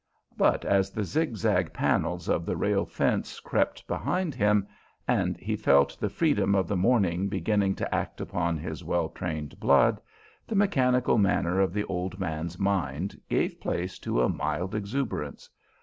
But as the zigzag panels of the rail fence crept behind him, and he felt the freedom of the morning beginning to act upon his well trained blood, the mechanical manner of the old man's mind gave place to a mild exuberance.